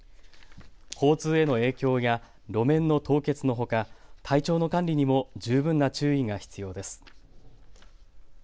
交通への影響や路面の凍結のほか体調の管理にも十分な注意が必要です。